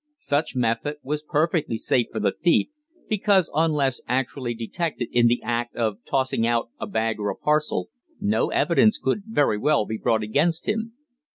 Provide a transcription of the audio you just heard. Such method was perfectly safe for the thief, because, unless actually detected in the act of tossing out a bag or parcel, no evidence could very well be brought against him.